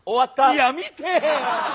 いや見て！